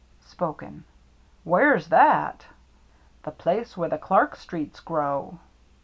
(Spoken) WHERE'S THAT? The place where the Clark streets grow.